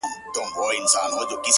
• کشکي ستا په خاطر لمر وای راختلی,!